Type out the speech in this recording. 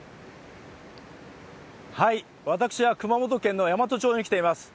私は熊本県の山都町に来ています。